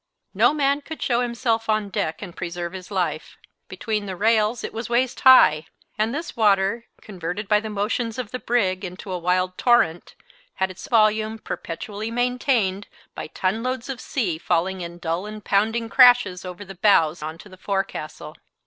No man could show himself on deck and preserve his life. Between the rails it was waist high, and this water, converted by the motions of the brig into a wild torrent, had its volume perpetually maintained by ton loads of sea falling in dull and pounding crashes over the bows on to the forecastle.